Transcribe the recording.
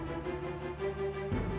lagi piknik sekeluarga